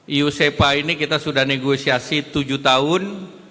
iusepa ini kita sudah negosiasi tujuh tahun